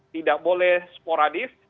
tidak boleh sporadis